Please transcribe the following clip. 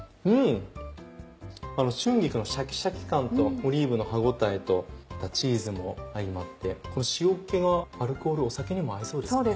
春菊のシャキシャキ感とオリーブの歯応えとチーズも相まってこの塩気がアルコールお酒にも合いそうですね。